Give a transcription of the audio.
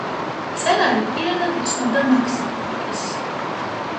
მწერალი პირადად იცნობდა მაქსიმ გორკის.